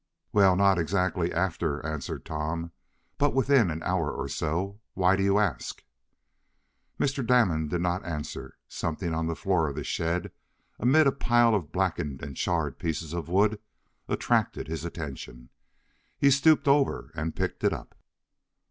"Well, not exactly after," answered Tom, "but within an hour or so. Why do you ask?" But Mr. Damon did not answer. Something on the floor of the shed, amid a pile of blackened and charred pieces of wood, attracted his attention. He stooped over and picked it up.